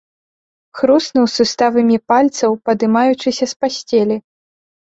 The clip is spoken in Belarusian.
Хруснуў суставамі пальцаў, падымаючыся з пасцелі.